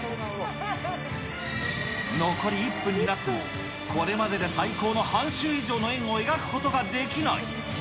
残り１分になっても、これまでで最高の半周以上の円を描くことができない。